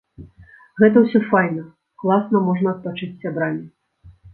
Гэта ўсё файна, класна можна адпачыць з сябрамі.